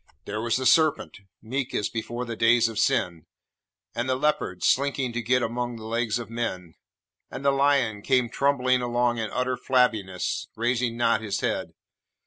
There was the serpent, meek as before the days of sin, and the leopard slinking to get among the legs of men, and the lion came trundling along in utter flabbiness, raising not his head.